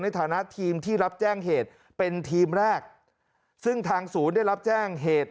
ในฐานะทีมที่รับแจ้งเหตุเป็นทีมแรกซึ่งทางศูนย์ได้รับแจ้งเหตุ